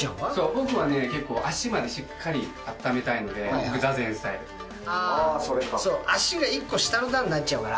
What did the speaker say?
僕はね結構足までしっかりあっためたいので、それか。